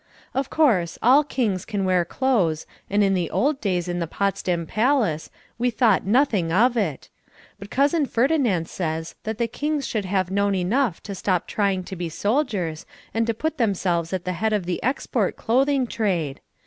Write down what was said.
Of course all kings can wear clothes and in the old days in the Potsdam palace we thought nothing of it. But Cousin Ferdinand says that the kings should have known enough to stop trying to be soldiers and to put themselves at the head of the export clothing trade.